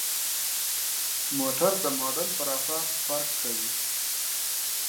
موټر د موډل پر اساس فرق کوي.